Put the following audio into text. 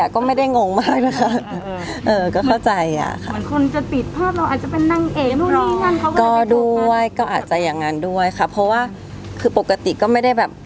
ก็ไม่ได้งงมากเลยค่ะ